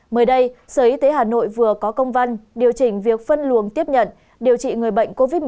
mới đây sở y tế hà nội vừa có công văn điều chỉnh việc phân luồng tiếp nhận điều trị người bệnh covid một mươi chín